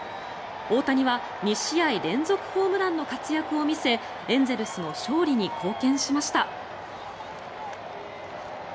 大谷は２試合連続ホームランの活躍を見せエンゼルスの勝利に貢献しました。